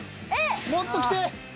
もっときて！